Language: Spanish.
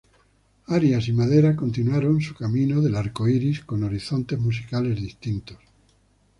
Arias y Madera continuaron su camino del arcoiris con horizontes musicales distintos.